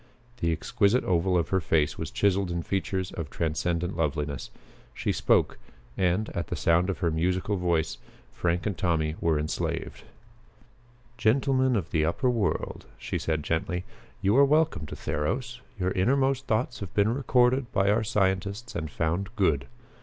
The exquisite oval of her face was chiseled in features of transcendent loveliness. She spoke, and, at sound of her musical voice, Frank and Tommy were enslaved. "Gentlemen of the upper world," she said gently, "you are welcome to Theros. Your innermost thoughts have been recorded by our scientists and found good.